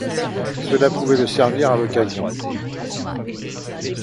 Cela pouvait le servir à l’occasion.